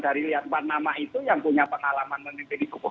dari lihat pak nama itu yang punya pengalaman menimpin di kupu